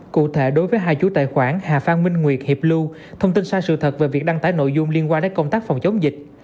cụ thể đối với hai chú tài khoản hà phan minh nguyệt hiệp lưu thông tin sai sự thật về việc đăng tải nội dung liên quan đến công tác phòng chống dịch